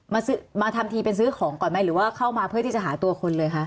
มาซื้อมาทำทีเป็นซื้อของก่อนไหมหรือว่าเข้ามาเพื่อที่จะหาตัวคนเลยคะ